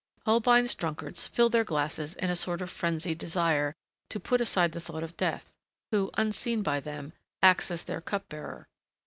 Holbein's drunkards fill their glasses in a sort of frenzied desire to put aside the thought of Death, who, unseen by them, acts as their cup bearer.